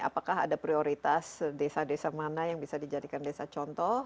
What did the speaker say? apakah ada prioritas desa desa mana yang bisa dijadikan desa contoh